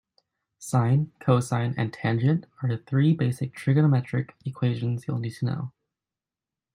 Sine, cosine and tangent are three basic trigonometric equations you'll need to know.